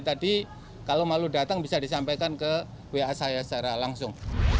jadi tadi kalau malu datang bisa disampaikan ke wa saya secara langsung